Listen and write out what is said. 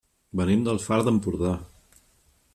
Venim del Far d'Empordà.